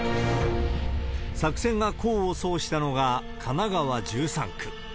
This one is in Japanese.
作戦が功を奏したのが、神奈川１３区。